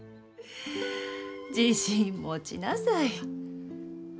自信持ちなさい。